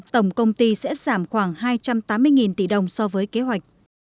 tổng công ty sẽ giảm khoảng hai trăm tám mươi tỷ đồng so với kế hoạch